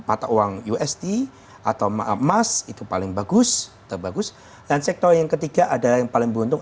mata uang ust atau emas itu paling bagus terbagus dan sektor yang ketiga adalah yang paling beruntung